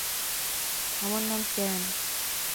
আমার নাম ক্যাম।